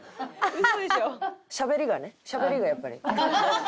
しゃべりがねしゃべりがやっぱり。